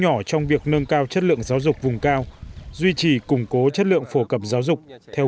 nhỏ trong việc nâng cao chất lượng giáo dục vùng cao duy trì củng cố chất lượng phổ cập giáo dục theo